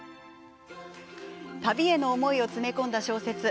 旅への思いを詰め込んだ小説